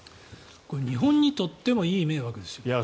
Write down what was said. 日本にとってもいい迷惑です。